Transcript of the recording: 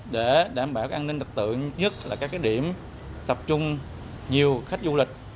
để đảm bảo an ninh đặc tượng nhất là các điểm tập trung nhiều khách du lịch